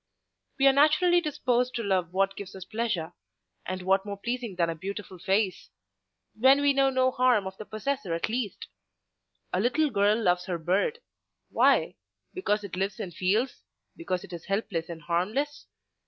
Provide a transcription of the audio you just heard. We are naturally disposed to love what gives us pleasure, and what more pleasing than a beautiful face—when we know no harm of the possessor at least? A little girl loves her bird—Why? Because it lives and feels; because it is helpless and harmless?